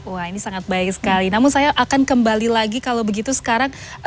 wah ini sangat baik sekali namun saya akan kembali lagi kalau begitu sekarang